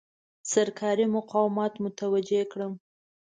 سرکاري مقامات متوجه کړم.